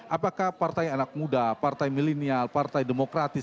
apakah partai anak muda partai milenial partai demokratis